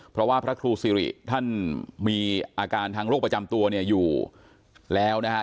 เพราะว่าพระครูสิริท่านมีอาการทางโรคประจำตัวเนี่ยอยู่แล้วนะฮะ